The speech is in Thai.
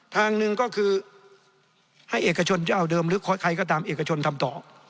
ทางหนึ่งก็คือให้เอกชนเจ้าเดิมหรือใครก็ตามเอกชนทำต่อ